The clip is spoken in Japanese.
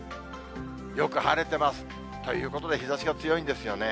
よく晴れてます。ということで、日ざしが強いんですよね。